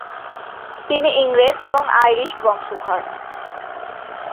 তিনি ইংরেজ এবং আইরিশ বংশধর।